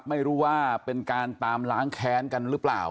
ไม่รู้ว่าเป็นการตามล้างแค้นกันหรือเปล่า